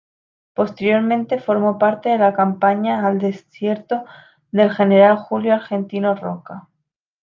Posteriormente formó parte de la Campaña al Desierto del general Julio Argentino Roca.